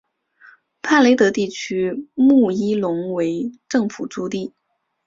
帕雷德地区穆伊隆为政府驻地。